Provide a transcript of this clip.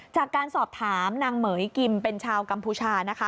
จากการสอบถามนางเหม๋ยกิมเป็นชาวกัมพูชานะคะ